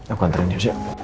aku anterin news ya